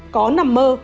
có nằm mơ